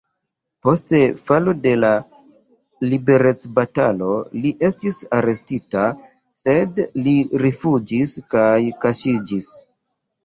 Post falo de la liberecbatalo li estis arestita, sed li rifuĝis kaj kaŝiĝis.